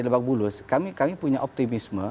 lebak bulus kami punya optimisme